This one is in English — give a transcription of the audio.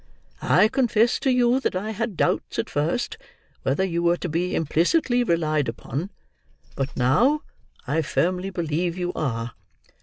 I confess to you that I had doubts, at first, whether you were to be implicitly relied upon, but now I firmly believe you are."